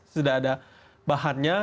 sudah ada bahannya